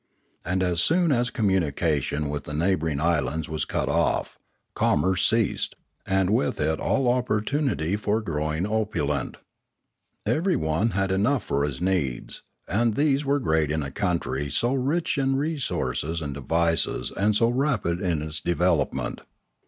And as soon as communication with the neighbouring islands was cut off, commerce ceased, and with it all opportunity for growing opulent. Everyone had enough for his needs, and these were great in a country so rich in resources and devices and so rapid in its development.